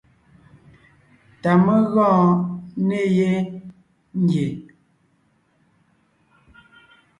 Tà mé gɔɔn ne yé ngie.